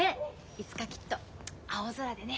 いつかきっと青空でね。